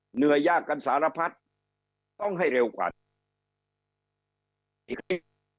เหนื่อยยากกันสารพัดต้องให้เร็วกว่าอีก